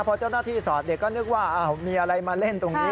พอเจ้าหน้าที่สอดเด็กก็นึกว่ามีอะไรมาเล่นตรงนี้